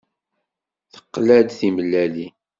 Teqla-d timellalin.